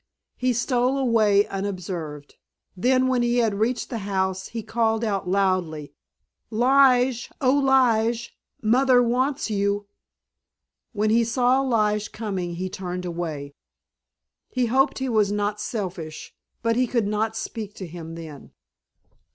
He stole away unobserved. Then when he had reached the house he called out loudly, "Lige, oh, Lige, Mother wants you!" When he saw Lige coming he turned away. He hoped he was not selfish, but he could not speak to him then.